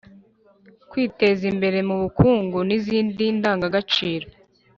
kwiteza imbere mu bukungu n’izindi ndangagaciro